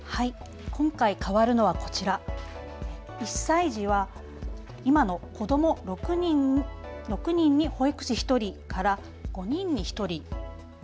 今回変わるのはこちら、１歳児は今の子ども６人に保育士１人から５人に１人に。